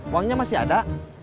uangnya masih ada